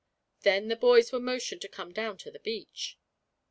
Then the boys were motioned to come down to the beach.